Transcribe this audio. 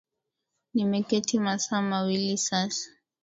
Nimeketi masaa mawili sasa